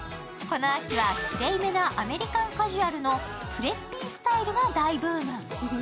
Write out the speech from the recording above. この秋はきれいめなアメリカンカジュアルのプレッピースタイルが大ブーム。